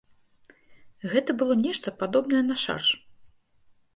Гэта было нешта падобнае на шарж.